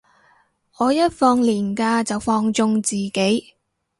我一放連假就放縱自己